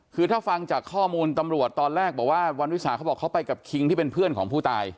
คือถ้าฟังจากข้อมูลตำรวจตอนแรกบอกว่าวันวิสาเขาบอกเขาไปกับคิงที่เป็นเพื่อนของผู้ตาย